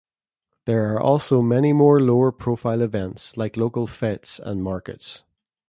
There are also many more lower profile events, like local fetes and markets.